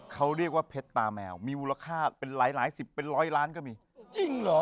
เขาเรียกว่าเพชรตาแมวมีมูลค่าเป็นหลายหลายสิบเป็นร้อยล้านก็มีจริงเหรอ